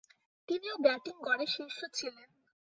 তিনি ও ব্যাটিং গড়ে শীর্ষে ছিলেন।